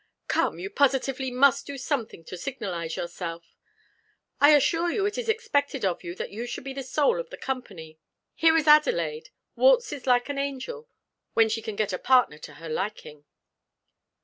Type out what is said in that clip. "Come, you positively must do something to signalise yourself. I assure you it is expected of you that you should be the soul of the company. Here is Adelaide waltzes like an angel, when she can get a partner to her liking."